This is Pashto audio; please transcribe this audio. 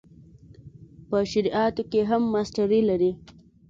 په شرعیاتو کې هم ماسټري لري.